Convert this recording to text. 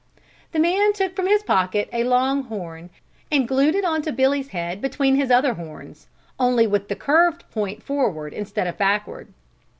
The man took from his pocket a long horn and glued it onto Billy's head between his other horns, only with the curved point forward instead of backward.